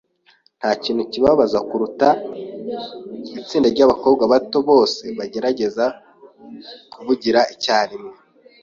Ntakintu kibabaza kuruta itsinda ryabakobwa bato bose bagerageza kuvugira icyarimwe